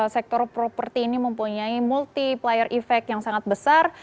sektor properti ini mempunyai multiplier effect yang sangat besar